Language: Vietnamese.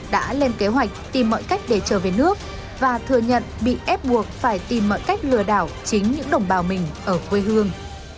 đã lên kế hoạch tìm mọi cách để trở về nước và thừa nhận bị ép buộc phải tìm mọi cách lừa đảo chính những đồng bào mình ở quê hương